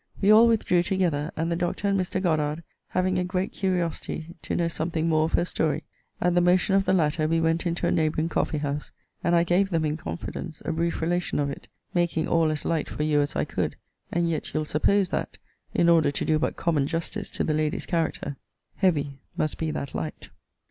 We all withdrew together; and the Doctor and Mr. Goddard having a great curiosity to know something more of her story, at the motion of the latter we went into a neighbouring coffee house, and I gave them, in confidence, a brief relation of it; making all as light for you as I could; and yet you'll suppose, that, in order to do but common justice to the lady's character, heavy must be that light.